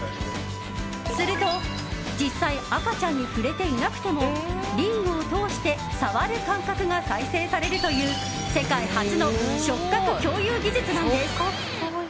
すると実際赤ちゃんに触れていなくてもリングを通して触る感覚が再生されるという世界初の触覚共有技術なんです。